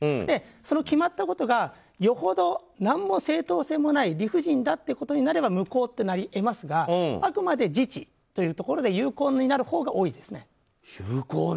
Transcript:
その決まったことがよほど、何の正当性もない理不尽だってことになれば無効になり得ますがあくまで自治というところで有効になるほうが多いですね。